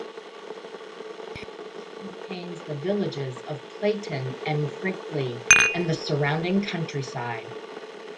The parish contains the villages of Clayton and Frickley and the surrounding countryside.